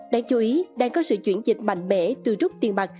đáng chú ý đang có sự chuyển dịch mạnh mẽ từ rút tiền mặt